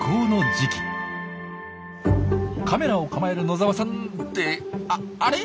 カメラを構える野澤さんってあれ？